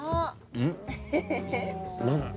うん？